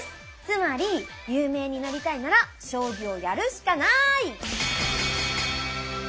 つまり有名になりたいなら将棋をやるしかない！